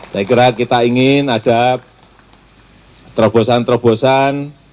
saya kira kita ingin ada terobosan terobosan